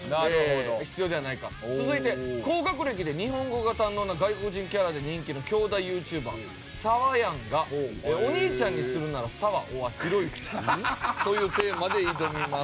続いて高学歴で日本語が堪能な外国人キャラで人気の兄弟ユーチューバーサワヤンが「お兄ちゃんにするならサワｏｒひろゆき」というテーマで挑みます。